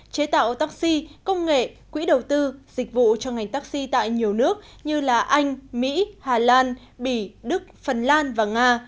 chế tạo taxi công nghệ quỹ đầu tư dịch vụ cho ngành taxi tại nhiều nước như là anh mỹ hà lan bỉ đức phần lan và nga